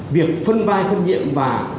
việc phân vai thân diện và